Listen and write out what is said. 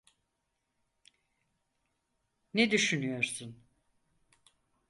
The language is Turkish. Ne düsünüyorsun?